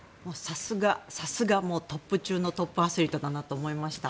さすがトップ中のトップアスリートだなと思いました。